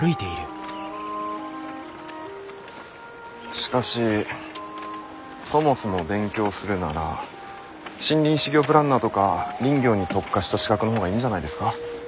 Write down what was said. しかしそもそも勉強するなら森林施業プランナーとか林業に特化した資格の方がいいんじゃないですか？